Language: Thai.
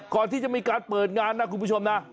ก่อนที่จะมีการเปิดงานนะคุณผู้ชมนะ